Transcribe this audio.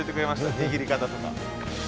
握り方とか。